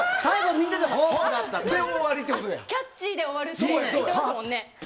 キャッチーで終わるって言ってましたもんね。